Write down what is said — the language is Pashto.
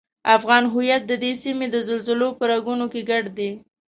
افغان هویت ددې سیمې د زلزلو په رګونو کې ګډ دی.